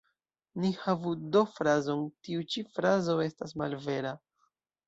Ni havu do frazon ""Tiu ĉi frazo estas malvera.